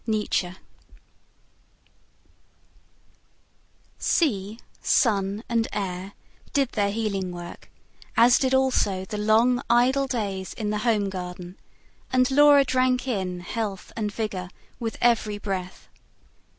NIETZSCHE Sea, sun and air did their healing work, as did also the long, idle days in the home garden; and Laura drank in health and vigour with every breath.